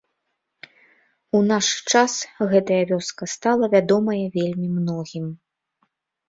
У наш час гэтая вёска стала вядомая вельмі многім.